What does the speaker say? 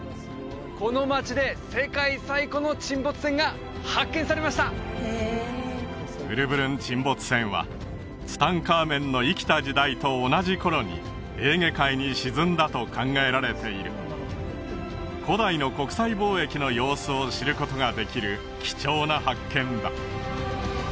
この町で世界最古の沈没船が発見されましたウルブルン沈没船はツタンカーメンの生きた時代と同じ頃にエーゲ海に沈んだと考えられている古代の国際貿易の様子を知ることができる貴重な発見だ